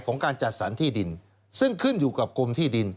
การจัดสรรที่ดินซึ่งขึ้นอยู่กับกรมที่ดิน